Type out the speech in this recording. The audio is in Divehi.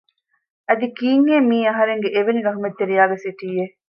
އަދި ކީއްހޭ މިއީ އަހަރެންގެ އެވެނި ރަޙްމަތްރެތިޔާގެ ސިޓީއެއް